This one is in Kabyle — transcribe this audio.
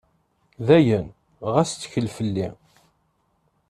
D ayen, ɣas ttkel fell-i.